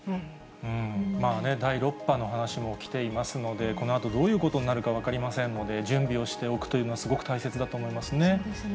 第６波の話も来ていますので、このあとどういうことになるか分かりませんので、準備をしておくというのはすごく大切だと思いますね。